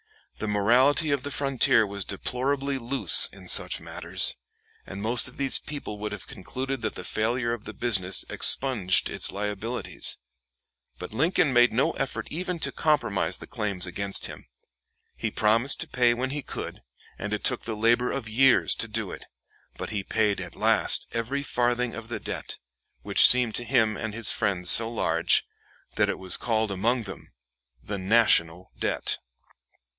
The morality of the frontier was deplorably loose in such matters, and most of these people would have concluded that the failure of the business expunged its liabilities. But Lincoln made no effort even to compromise the claims against him. He promised to pay when he could, and it took the labor of years to do it; but he paid at last every farthing of the debt, which seemed to him and his friends so large that it was called among them "the national debt." [Illustration: JUDGE STEPHEN T.